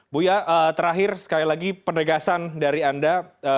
buya terakhir sekali lagi penegasan dari anda